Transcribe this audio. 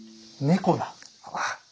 猫だ！